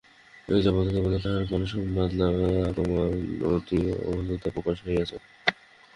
এযাবৎকাল পর্যন্ত তাঁহার কোন সংবাদ লওয়ায় তোমার অতি অভদ্রতা প্রকাশ হইয়াছে।